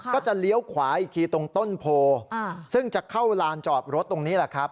ก็จะเลี้ยวขวาอีกทีตรงต้นโพซึ่งจะเข้าลานจอดรถตรงนี้แหละครับ